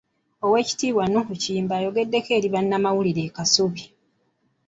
Oweekitibwa Noah Kiyimba ayogedeko eri bannamawulire e Kasubi.